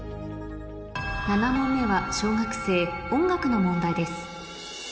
７問目は小学生音楽の問題です